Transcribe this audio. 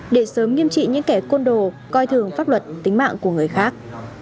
để sớm nghiêm trị những kẻ côn đồ coi thường pháp luật tính mạng của người khác